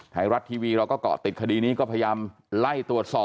ไทยรัฐทีวีเราก็เกาะติดคดีนี้ก็พยายามไล่ตรวจสอบ